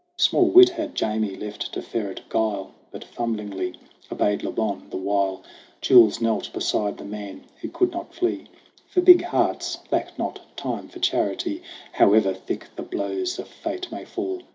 Small wit had Jamie left to ferret guile, But fumblingly obeyed Le Bon ; the while Jules knelt beside the man who could not flee : For big hearts lack not time for charity However thick the blows of fate may fall.